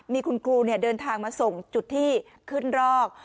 มีคุณครูเดินทางมาส่งจุดที่ขึ้นรอก